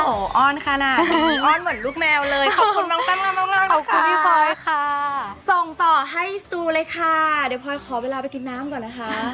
โอ้โหอ้อนค่ะน่ะอ้อนเหมือนลูกแมวเลย